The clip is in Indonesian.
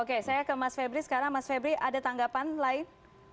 oke saya ke mas febri sekarang mas febri ada tanggapan lain